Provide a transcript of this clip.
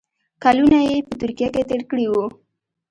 کلونه یې په ترکیه کې تېر کړي وو.